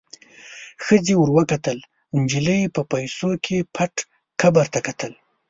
ښخې ور وکتل، نجلۍ په پیسو کې پټ قبر ته کتل.